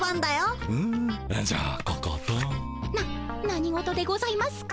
な何事でございますか？